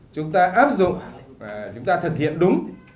chúng ta áp dụng chúng ta thực hiện đúng